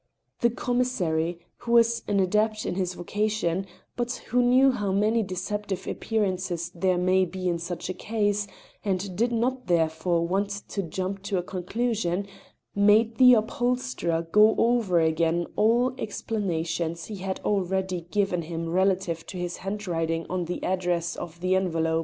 The commissary, who was an adept in his vocation, but who knew how many deceptive appearances there may be in such a case, and did not therefore want to jump to a conclusion, made the up holsterer go over again all the explanations he had already given him relative to his handwriting on the address of the envelope.